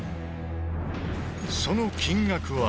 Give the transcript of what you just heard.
その金額は。